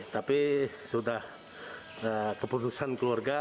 tapi sudah keputusan keluarga